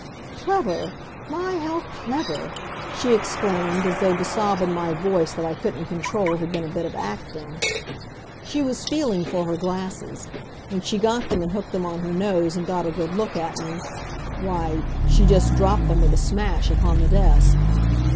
"Clever! My, how clever!" she exclaimed, as though the sob in my voice that I couldn't control had been a bit of acting. She was feeling for her glasses. When she got them and hooked them on her nose and got a good look at me why, she just dropped them with a smash upon the desk.